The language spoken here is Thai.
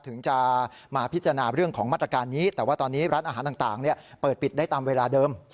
ถึงจะมาพิจารณาเรื่องของมาตรการนี้แต่ว่าตอนนี้ร้านอาหารต่างเปิดปิดได้ตามเวลาเดิม